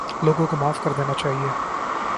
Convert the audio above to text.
لوگوں کو معاف کر دینا چاہیے